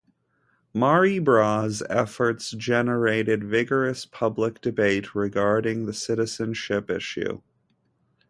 Mari Bras' efforts generated vigorous public debate regarding the citizenship issue.